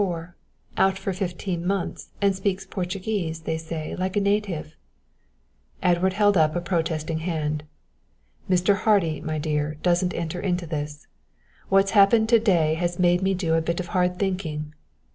4, out for fifteen months and speaks Portuguese, they say, like a native " Edward held up a protesting hand. "Mr. Hardy, my dear, doesn't enter into this. What's happened to day has made me do a bit of hard thinking.